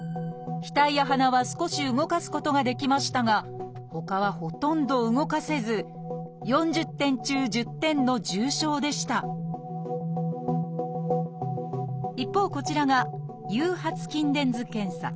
額や鼻は少し動かすことができましたがほかはほとんど動かせず４０点中１０点の重症でした一方こちらが「誘発筋電図検査」。